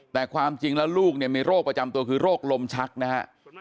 แต่ความจริงแล้วลูกเนี่ยมีโรคประจำตัวคือโรคลมชักนะฮะ